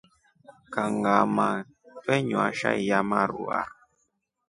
Kangʼamaa twenywa shai ya marua.